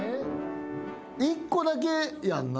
１個だけやんな？